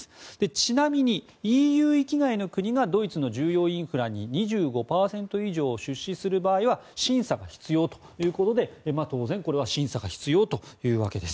ちなみに、ＥＵ域外の国がドイツの重要インフラに２５％以上出資する場合は審査が必要ということで当然これは審査が必要というわけです。